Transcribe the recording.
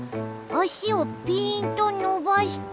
あしをぴーんとのばして。